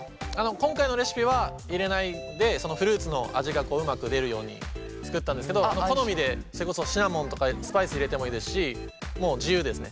今回のレシピは入れないでフルーツの味がこううまく出るように作ったんですけど好みでそれこそシナモンとかスパイス入れてもいいですしもう自由ですね。